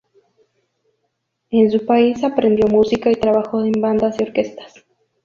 En su país aprendió música y trabajó en bandas y orquestas.